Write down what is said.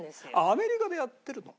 アメリカでやってるの？